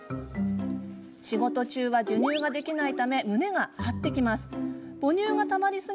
仕事中は授乳ができないため胸が張ってきます。